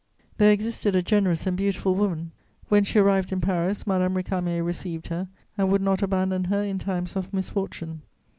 There existed a generous and beautiful woman; when she arrived in Paris, Madame Récamier received her and would not abandon her in times of misfortune.